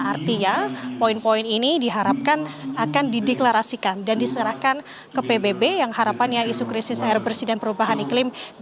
artinya poin poin ini diharapkan akan dideklarasikan dan diserahkan ke pbb yang harapannya isu krisis air bersih dan perubahan iklim